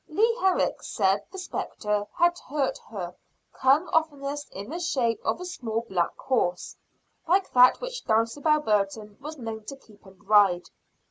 Leah Herrick said the spectre that hurt her came oftenest in the shape of a small black horse, like that which Dulcibel Burton was known to keep and ride.